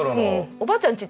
おばあちゃん